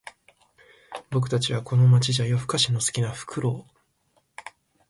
僕たちはこの街じゃ夜ふかしの好きなフクロウ